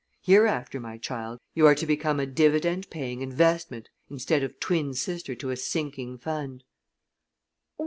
Hereafter, my child, you are to become a dividend paying investment instead of twin sister to a sinking fund."